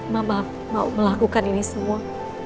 mama mau melakukan ini semua